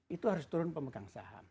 itu harus turun pemegang saham